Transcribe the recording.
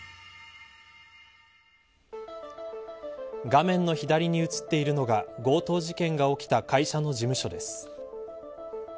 画面の左に映っているのが強盗事件が起きた会社の事務所です。